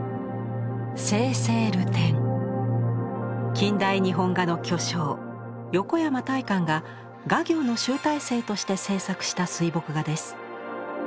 近代日本画の巨匠横山大観が画業の集大成として制作した水墨画です。